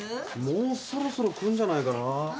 もうそろそろ来んじゃないかな？